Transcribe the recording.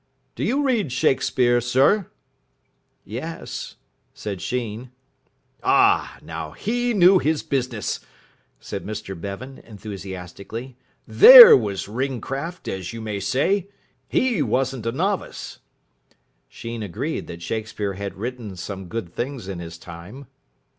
Do you read Shakespeare, sir?" "Yes," said Sheen. "Ah, now he knew his business," said Mr Bevan enthusiastically. "There was ring craft, as you may say. He wasn't a novice." Sheen agreed that Shakespeare had written some good things in his time.